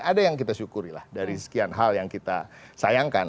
ada yang kita syukuri lah dari sekian hal yang kita sayangkan